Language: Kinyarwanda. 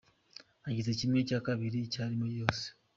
Agize kimwe cya kabiri cy’arimo yose.